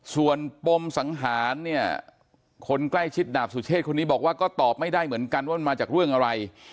ส่วนปมสังหารเนี่ยคนใกล้ชิดดาบสุเชษคนนี้บอกว่าก็ตอบไม่ได้เหมือนกันว่ามันมาจากเรื่องอะไร